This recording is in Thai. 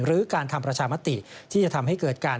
หรือการทำประชามติที่จะทำให้เกิดการ